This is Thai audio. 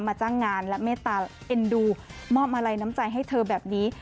จ้างงานและเมตตาเอ็นดูมอบมาลัยน้ำใจให้เธอแบบนี้